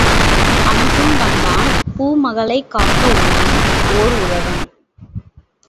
அன்றும் வந்தான் பூமகளைக் காக்க ஒருவன், ஓர் உழவன்.